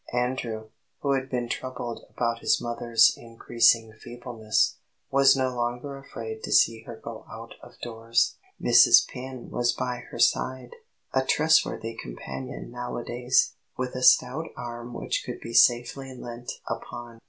Andrew, who had been troubled about his mother's increasing feebleness, was no longer afraid to see her go out of doors. Mrs. Penn was by her side, a trustworthy companion nowadays, with a stout arm which could be safely leant upon.